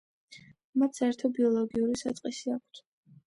მათ საერთო ბიოლოგიური საწყისი აქვთ.